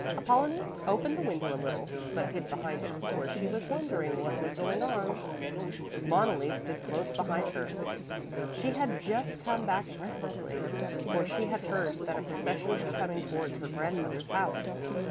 Apollonie opened the window a little, but hid behind it, for she was wondering what was going on. Loneli stood close behind her. She had just come back breathlessly, for she had heard that a procession was coming towards her grandmother's house.